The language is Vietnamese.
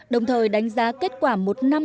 đồng thời đánh giá kết quả một năm